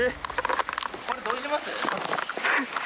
これどうします？